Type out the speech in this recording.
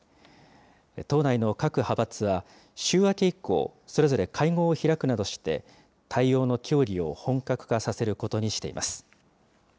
党内の各派閥は週明け以降、それぞれ会合を開くなどして、対応の協議を本格化させることにしています。